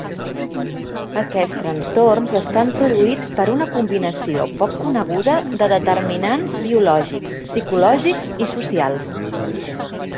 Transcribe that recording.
Aquests trastorns estan produïts per una combinació poc coneguda de determinants biològics, psicològics i socials.